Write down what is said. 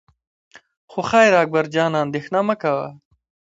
خو خیر اکبر جانه اندېښنه مه کوه.